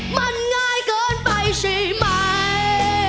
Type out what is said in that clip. มันง่ายเกินไปใช่ไหม